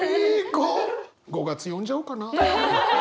５月呼んじゃおうかな。